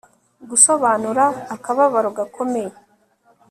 Gusobanura akababaro gakomeye